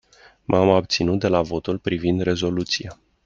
M-am abținut de la votul privind rezoluția.